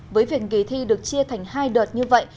với việc kỳ thi được chia thành hai đợt như vậy